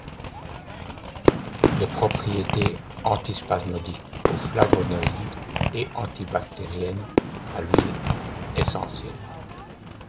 Les propriétés antispasmodiques aux flavonoïdes et antibactériennes à l'huile essentielle.